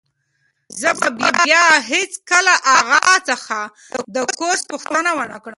زه به بیا هیڅکله له اغا څخه د کورس پوښتنه ونه کړم.